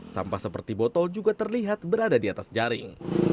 sampah seperti botol juga terlihat berada di atas jaring